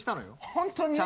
本当に？